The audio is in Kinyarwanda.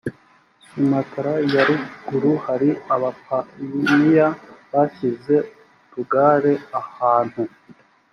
sumatra ya ruguru hari abapayiniya bashyize utugare ahantu